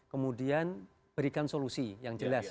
kemudian berikan solusi yang jelas